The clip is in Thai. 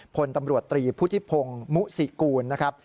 พลตำรวจตรีพุทธิพงศ์มุสิกูลนะครับ